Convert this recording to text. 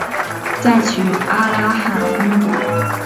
再娶阿剌罕公主。